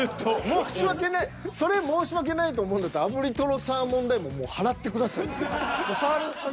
申し訳ないそれ申し訳ないと思うんだったら炙りトロサーモン代ももう払ってくださいよ。